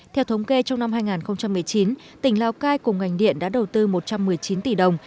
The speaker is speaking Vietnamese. theo thống kê trong năm hai nghìn một mươi chín tỉnh lào cai cùng ngành điện đã đầu tư một trăm một mươi chín tỷ đồng